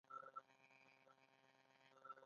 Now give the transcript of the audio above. پوپی ګل څه شی دی؟